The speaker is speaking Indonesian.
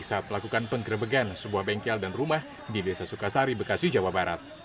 saat melakukan penggerebegan sebuah bengkel dan rumah di desa sukasari bekasi jawa barat